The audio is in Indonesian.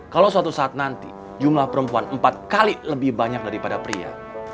kalau suatu saat nanti jumlah perempuan empat kali lebih banyak daripada pria